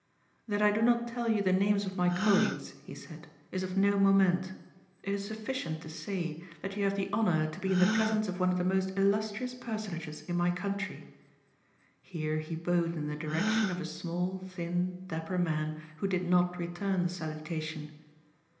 "That I do not tell you the names of my colleagues," he said, "is of no moment. It is sufficient to say that you have the honor to be in the presence of one of the most illustrious personages in my country." Here he bowed in the direction of a small, thin, dapper man who did not return the salutation.